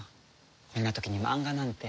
こんな時にマンガなんて。